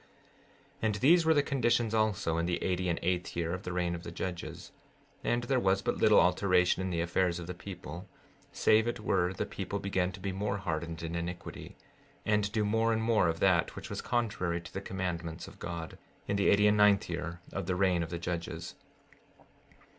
16:11 And these were the conditions also, in the eighty and eighth year of the reign of the judges. 16:12 And there was but little alteration in the affairs of the people, save it were the people began to be more hardened in iniquity, and do more and more of that which was contrary to the commandments of God, in the eighty and ninth year of the reign of the judges.